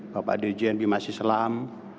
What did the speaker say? bapak dgnb masih selam